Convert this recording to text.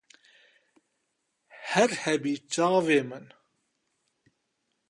Her hebî çavê min.